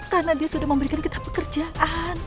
karena dia sudah memberikan kita pekerjaan